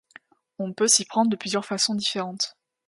On peut s'y prendre de plusieurs façons différentes.